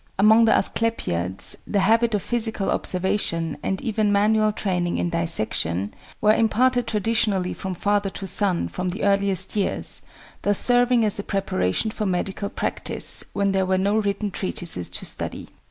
Among the Asclepiads the habit of physical observation, and even manual training in dissection, were imparted traditionally from father to son from the earliest years, thus serving as a preparation for medical practice when there were no written treatises to study.